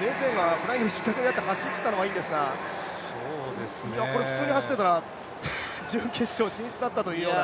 ゼゼはフライングで失格になって走ったのはいいんですがこれ普通に走っていたら準決勝進出だったというような。